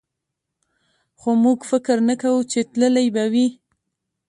خو موږ فکر نه کوو چې تللی به وي.